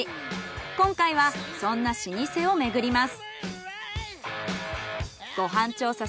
今回はそんな老舗を巡ります。